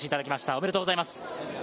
おめでとうございます。